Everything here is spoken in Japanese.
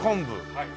はい？